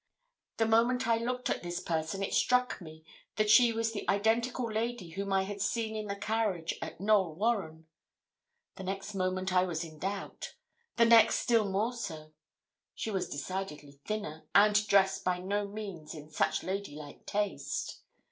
The moment I looked at this person, it struck me that she was the identical lady whom I had seen in the carriage at Knowl Warren. The next moment I was in doubt; the next, still more so. She was decidedly thinner, and dressed by no means in such lady like taste.